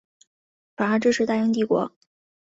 反而支持大英帝国。